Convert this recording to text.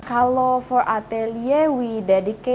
kalau untuk atelier kita berpengguna dengan perhiasan yang siap pakai